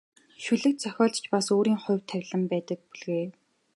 Шүлэг зохиолд ч бас өөрийн хувь тавилан байдаг бүлгээ.